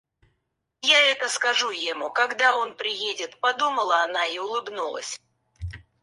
Я это скажу ему, когда он приедет, — подумала она и улыбнулась.